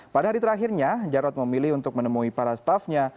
pada hari terakhirnya jarod memilih untuk menemui para staffnya